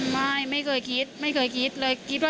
ไม่ไม่เคยคิดไม่เคยคิดเลย